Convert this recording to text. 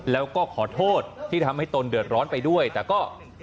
แล้วก็ขอโทษที่ทำให้ตนเดือดร้อนไปด้วยแต่ก็